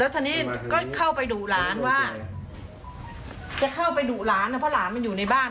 ทีนี้ก็เข้าไปดุหลานว่าจะเข้าไปดุหลานนะเพราะหลานมันอยู่ในบ้าน